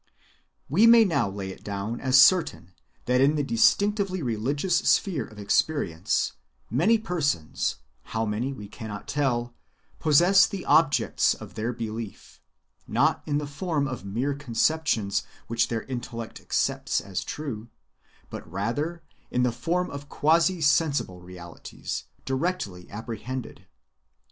We may now lay it down as certain that in the distinctively religious sphere of experience, many persons (how many we cannot tell) possess the objects of their belief, not in the form of mere conceptions which their intellect accepts as true, but rather in the form of quasi‐sensible realities directly apprehended.